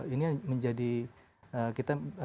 ini menjadi kita